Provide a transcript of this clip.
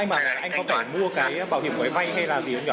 nhưng mà anh có phải mua cái bảo hiểm của vay hay là gì không nhở